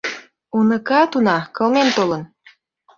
Уныкат, уна, кылмен толын.